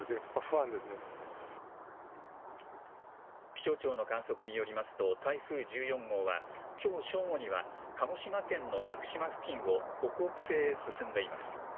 気象庁の観測によりますと、台風１４号は、きょう正午には、鹿児島県の屋久島付近を北北西へ進んでいます。